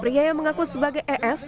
priaya mengaku sebagai es